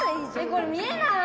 これ見えない！